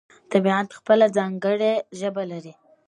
طبیعت خپله ځانګړې ژبه لري.